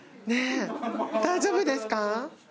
大丈夫ですか？